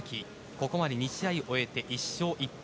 ここまで２試合終えて１勝１敗。